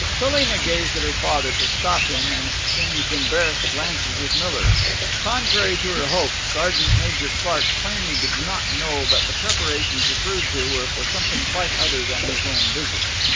Selina gazed at her father to stop him, and exchanged embarrassed glances with Miller. Contrary to her hopes Sergeant Major Clark plainly did not know that the preparations referred to were for something quite other than his own visit.